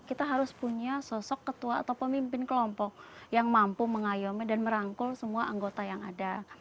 kita harus punya sosok ketua atau pemimpin kelompok yang mampu mengayomi dan merangkul semua anggota yang ada